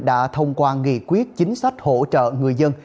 đã thông qua nghị quyết chính sách hỗ trợ người dân